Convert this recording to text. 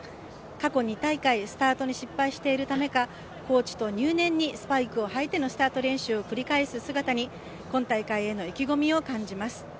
過去２大会スタートに失敗しているためかコーチと入念にスパイクを履いてのスタート練習を繰り返す姿に今大会への意気込みを感じます。